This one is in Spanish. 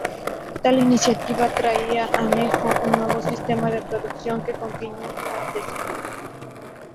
Tal iniciativa traía anejo un nuevo sistema de producción que continuó durante siglos.